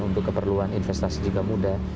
untuk keperluan investasi juga mudah